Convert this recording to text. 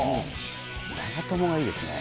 長友がいいですね。